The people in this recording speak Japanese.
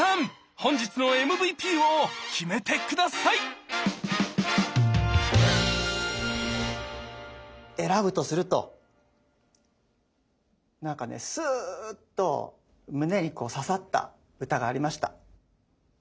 本日のＭＶＰを決めて下さい選ぶとするとなんかねスーッと胸にこう刺さった歌がありました。